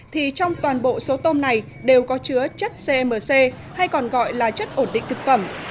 thì trong toàn bộ số tôm này đều có chứa chất cm